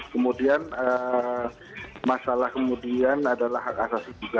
kemudian masalah kemudian adalah hak asasi juga